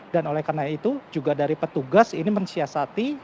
dan oleh karena itu juga dari petugas ini mensiasati